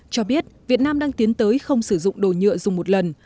cho biết việt nam đang tiến tới không sử dụng đồ nhựa dùng một lần